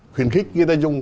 khuyến khích người ta dùng